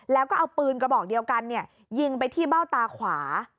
แล้วก็เอาปืนกระบอกเดียวกันยิงไปที่เบ้าตาขวา